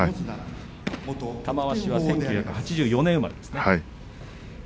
玉鷲は１９８４年生まれです。